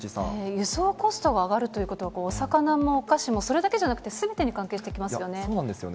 輸送コストが上がるということは、お魚もお菓子もそれだけじゃなくて、すべてに関係してきますよね。